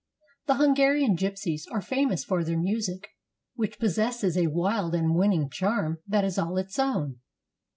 The Hungarian gypsies are famous for their music, which possesses a wild and winning charm that is all its own.